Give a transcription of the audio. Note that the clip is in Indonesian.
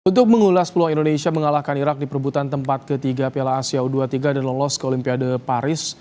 untuk mengulas peluang indonesia mengalahkan irak di perebutan tempat ketiga piala asia u dua puluh tiga dan lolos ke olimpiade paris